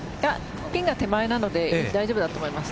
ピンが手前なので大丈夫だと思います。